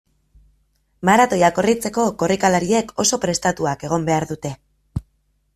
Maratoia korritzeko, korrikalariek oso prestatuak egon behar dute.